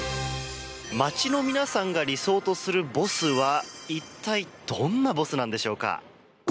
街の皆さんが理想とするボスは一体どんなボスなんでしょうか。